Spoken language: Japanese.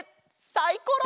サイコロ！